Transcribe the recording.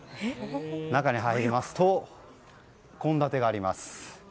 中に入りますと、献立があります。